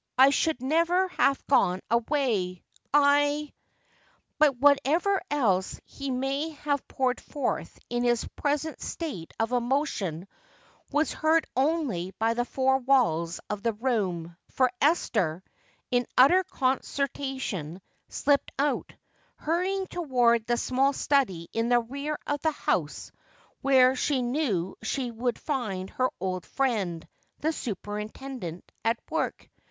I should never haf gone away, I " But whatever else he may have poured forth in his present state of emotion was heard only by the four walls of the room, for Esther, in utter consternation, slipped out, hurrying toward the small study in the rear of the house where she knew she would find her old friend, the superintendent, at work.